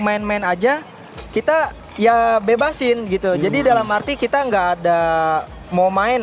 main main aja kita ya bebasin gitu jadi dalam arti kita enggak ada mau main